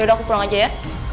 udah aku pulang aja ya